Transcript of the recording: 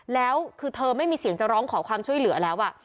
แล้วคือเธอไม่มีเสียงจะร้องขอความช่วยเหลือแล้ว